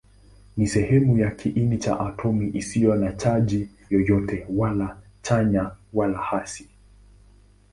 Ni sehemu ya kiini cha atomi isiyo na chaji yoyote, wala chanya wala hasi.